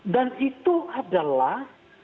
dan itu adalah